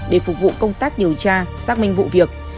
để phục vụ công tác điều tra xác minh vụ việc